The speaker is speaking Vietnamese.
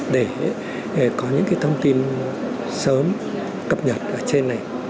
để có những thông tin sớm cập nhật ở trên này